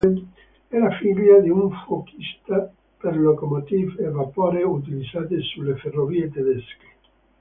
Era figlia di un fuochista per locomotive a vapore utilizzate sulle ferrovie tedesche.